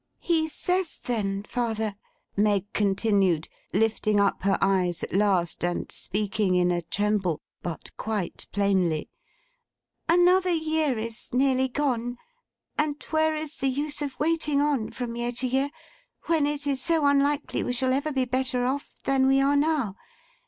'He says then, father,' Meg continued, lifting up her eyes at last, and speaking in a tremble, but quite plainly; 'another year is nearly gone, and where is the use of waiting on from year to year, when it is so unlikely we shall ever be better off than we are now?